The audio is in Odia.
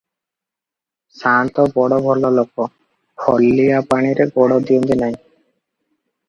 ସାଆନ୍ତ ବଡ଼ ଭଲଲୋକ, ହଲିଲା ପାଣିରେ ଗୋଡ଼ ଦିଅନ୍ତି ନାହିଁ ।